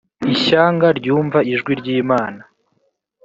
ishyanga ryumva ijwi ry’imana